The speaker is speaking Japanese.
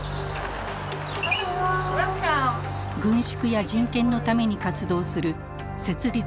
軍縮や人権のために活動する設立